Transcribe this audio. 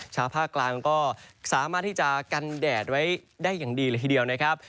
ชาวภาคกลางก็สามารถที่จะกันแดดไว้ได้อย่างดีเลยทีเดียวนะครับ